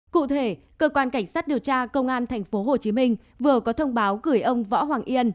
cụ thể cơ quan cảnh sát điều tra công an tp hcm vừa có thông báo gửi ông võ hoàng yên